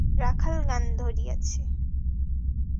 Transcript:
রাখাল গান ধরিয়াছে।